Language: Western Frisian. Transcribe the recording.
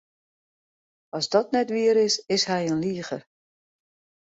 As dat net wier is, is hy in liger.